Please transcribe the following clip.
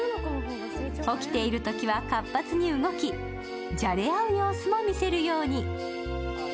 起きているときは活発に動き、じゃれ合う様子も見せるように。